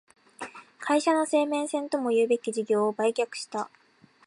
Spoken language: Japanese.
会社の生命線ともいうべき事業を売却した